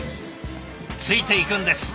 ついていくんです。